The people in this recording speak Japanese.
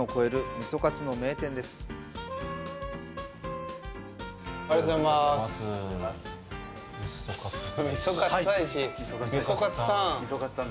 みそかつさん。